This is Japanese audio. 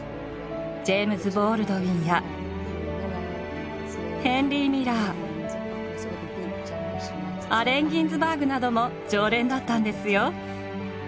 ジェームズ・ボールドウィンやヘンリー・ミラーアレン・ギンズバーグなども常連だったんですよ。